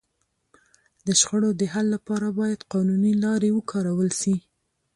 د شخړو د حل لپاره باید قانوني لاري وکارول سي.